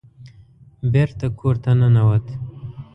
بېرته کور ته ننوت.